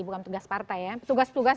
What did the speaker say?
bukan petugas partai ya petugas petugas